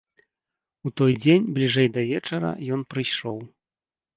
У той дзень, бліжэй да вечара, ён прыйшоў.